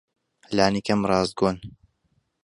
لانیکەم ڕاستگۆن.